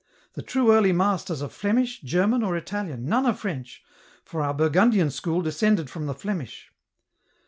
The true Early Masters are Flemish, German or Italian, none are French, for oui Burgundian School descended from the Flemish.